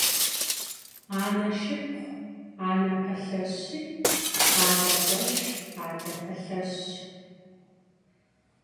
Ane şşıpxhu ane palheşi, ade khueşş ade palheşş.